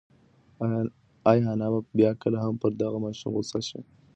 ایا انا به بیا کله هم پر دغه ماشوم غوسه شي؟